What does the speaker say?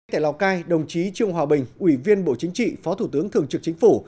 tại lào cai đồng chí trương hòa bình ủy viên bộ chính trị phó thủ tướng thường trực chính phủ